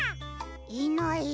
いない。